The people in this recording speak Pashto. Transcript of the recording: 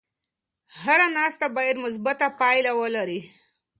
هره ناسته باید مثبته پایله ولري.